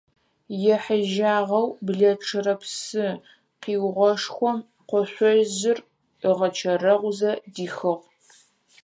Ехьыжьагъэу блэчъырэ псы къиугъэшхом къошъожъыр ыгъэчэрэгъузэ дихыгъ.